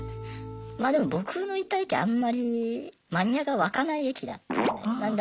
まあでも僕のいた駅あんまりマニアが湧かない駅だったので。